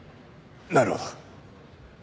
なるほど。